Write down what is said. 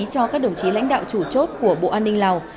cho các đồng chí lãnh đạo chủ chốt của bộ an ninh lào